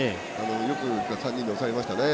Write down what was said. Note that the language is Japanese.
よく３人で抑えましたね。